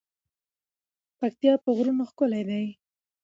پکتيا په غرونو ښکلی ده.